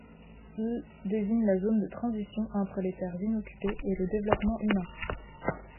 L' désigne la zone de transition entre les terres inoccupées et le développement humain.